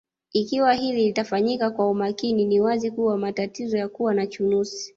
Ikiwa hili litafanyika kwa umakini ni wazi kuwa matatizo ya kuwa na chunusi